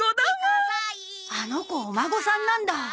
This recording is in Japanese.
あの子お孫さんなんだ。